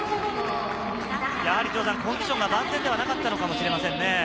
やはりコンディションが万全ではなかったのかもしれませんね。